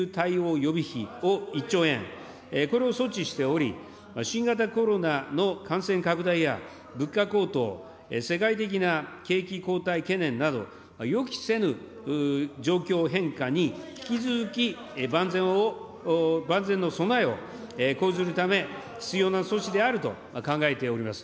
予備費１兆円、これを措置しており、新型コロナの感染拡大や、物価高騰、世界的な景気後退懸念など、予期せぬ状況変化に引き続き万全の備えを講ずるため、必要な措置であると考えております。